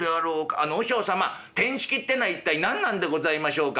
「あの和尚様てんしきってのは一体何なんでございましょうか」。